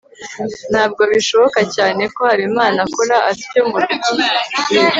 ntabwo bishoboka cyane ko habimana akora atyo murugo